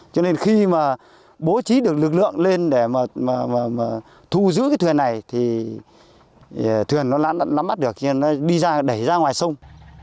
cho nên khi mà bố trí được lực lượng lên để mà thu giữ cái thuyền này thì thuyền nó nắm mắt được cho nó đi ra đẩy ra ngoài sông